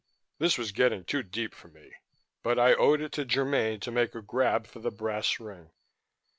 This was getting too deep for me, but I owed it to Germaine to make a grab for the brass ring.